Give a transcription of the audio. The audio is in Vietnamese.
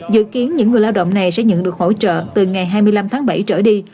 dự kiến những người lao động này sẽ nhận được hỗ trợ từ ngày hai mươi năm tháng bảy trở đi